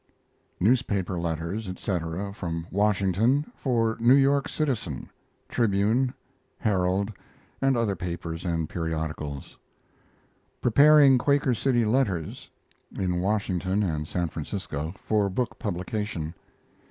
Newspaper letters, etc., from Washington, for New York Citizen, Tribune, Herald, and other papers and periodicals. Preparing Quaker City letters (in Washington and San Francisco) for book publication.